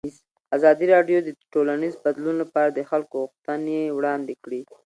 ازادي راډیو د ټولنیز بدلون لپاره د خلکو غوښتنې وړاندې کړي.